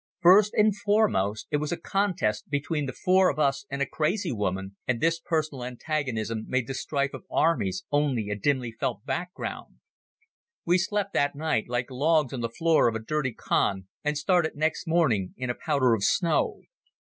First and foremost it was a contest between the four of us and a crazy woman, and this personal antagonism made the strife of armies only a dimly felt background. We slept that night like logs on the floor of a dirty khan, and started next morning in a powder of snow.